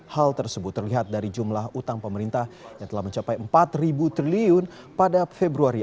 hal tersebut terlihat dari jumlah utang pemerintah yang telah mencapai empat triliun pada februari